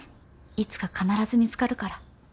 いつか必ず見つかるから。